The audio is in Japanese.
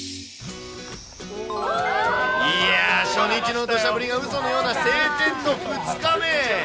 いやー、初日のどしゃ降りがうそのような晴天の２日目。